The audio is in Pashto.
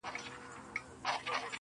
غربت مي شپې يوازي کړيدي تنها يمه زه~